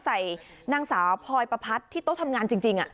ใส่นางสาวพลอยประพัดที่โต๊ะทำงานจริง